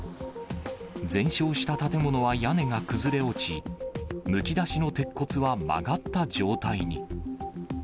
全焼した建物は屋根が崩れ落ち、むき出しの鉄骨は曲がった状態に。